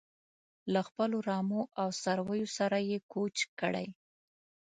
له خپلو رمو او څارویو سره یې کوچ کړی.